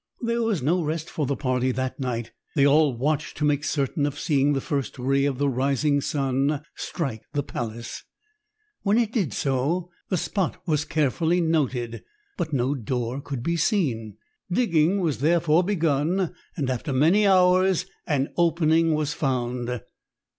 There was no rest for the party that night. They all watched to make certain of seeing the first ray of the rising sun strike the palace. When it did so, the spot was carefully noted. But no door could be seen. Digging was therefore begun and after many hours, an opening was found.